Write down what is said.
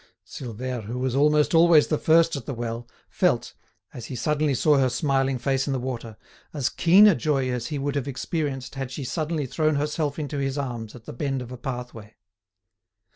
Silvère, who was almost always the first at the well, felt, as he suddenly saw her smiling face in the water, as keen a joy as he would have experienced had she suddenly thrown herself into his arms at the bend of a pathway.